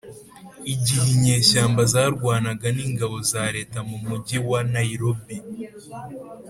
igihe inyeshyamba zarwanaga n ingabo za leta mu mugi wa Nairobi